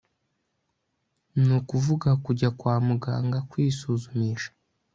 ni ukuvuga kujya kwa muganga kwisuzumisha